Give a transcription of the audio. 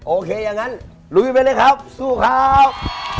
โอเคอย่างนั้นลุยไปเลยครับสู้ครับ